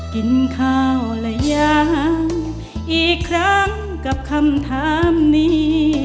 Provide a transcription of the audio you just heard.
กินข้าวละยังอีกครั้งกับคำถามนี้